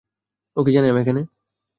ও কি জানে আমি এখানে?